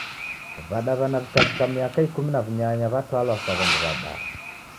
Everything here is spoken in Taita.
W'adaw'ana w'ikavika miaka Ikumi na w'unyanya w'atalwa sa w'andu w'abaa.